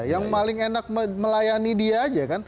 yang paling enak melayani dia aja kan